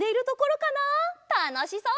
たのしそう！